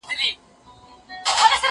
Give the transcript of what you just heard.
هغه څوک چي واښه راوړي منظم وي!؟